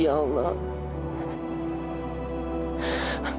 kau adalah andre